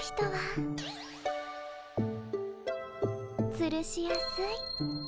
つるしやすい。